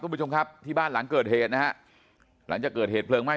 ทุกผู้ชมครับที่บ้านหลังเกิดเหตุนะถ้าเกิดเหตุเผลิงไม่